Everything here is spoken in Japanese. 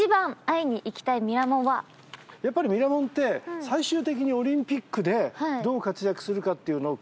やっぱりミラモンって最終的にオリンピックでどう活躍するかっていうのを見てるじゃない。